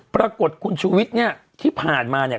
ปรากฏคุณชูวิทย์เนี่ยที่ผ่านมาเนี่ย